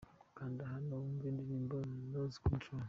Kanda hano wumve indirimbo 'Loose control' .